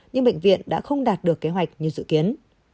nhưng bệnh viện đã không đạt được kế hoạch như dự kiến